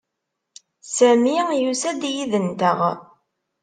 Sami yusa-d yid-nteɣ.